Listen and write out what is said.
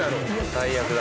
最悪だ。